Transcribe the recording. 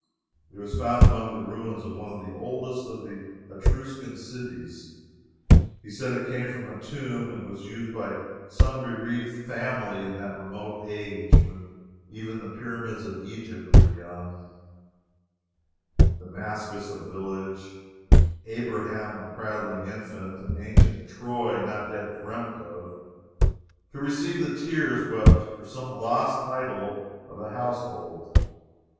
It was found among the ruins of one of the oldest of the Etruscan cities. He said it came from a tomb, and was used by some bereaved family in that remote age when even the Pyramids of Egypt were young, Damascus a village, Abraham a prattling infant and ancient Troy not yet [dreampt] of, to receive the tears wept for some lost idol of a household.